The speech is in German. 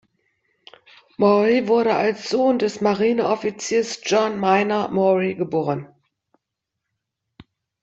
Maury wurde als Sohn des Marineoffiziers John Minor Maury geboren.